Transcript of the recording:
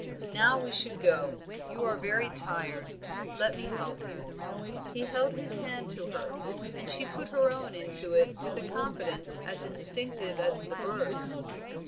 Now we should go; you are very tired, let me help you." He held his hand to her, and she put her own into it with a confidence as instinctive as the bird's.